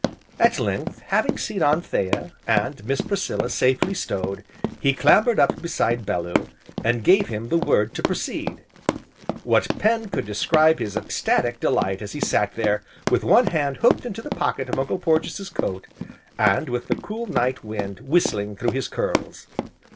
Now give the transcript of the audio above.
At length, having seen Anthea, and Miss Priscilla safely stowed, he clambered up beside Bellew, and gave him the word to proceed. What pen could describe his ecstatic delight as he sat there, with one hand hooked into the pocket of Uncle Porges' coat, and with the cool night wind whistling through his curls.